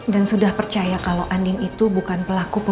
dan sudah percaya kalau andin itu bukan pelakunya